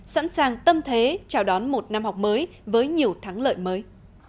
sẵn sàng tâm thế chào đón một năm học mới với nhiều thắng lợi mới